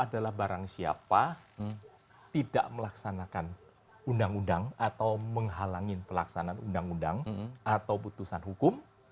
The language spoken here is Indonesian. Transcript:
dua ratus enam belas adalah barang siapa tidak melaksanakan undang undang atau menghalangi pelaksanaan undang undang atau putusan hukum